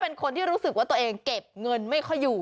เป็นคนที่รู้สึกว่าตัวเองเก็บเงินไม่ค่อยอยู่